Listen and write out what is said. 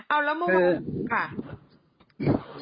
อ๋อเอาแล้วเบื้องต้นค่ะ